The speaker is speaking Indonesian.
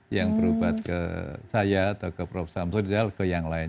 yang berobat ke saya atau ke prof samsudzal ke yang lain